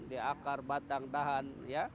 di akar batang dahan